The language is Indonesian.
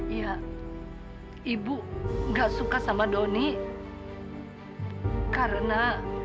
iya ibu gak suka sama doni karena